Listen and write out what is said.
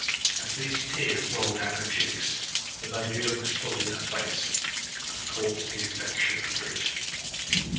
As these tears rolled down her cheeks, the baby looked full in her face, and caught the infection of grief.